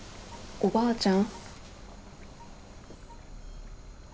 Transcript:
おばあちゃん